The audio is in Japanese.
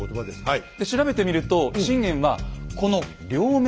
はい。